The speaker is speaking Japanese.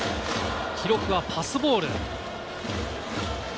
記録はパスボール。